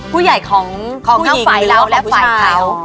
ผู้ใหญ่ของผู้หญิงหรือว่าผู้ชาย